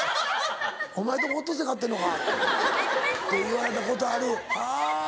「お前のとこオットセイ飼ってんのか」って言われたことあるはぁ。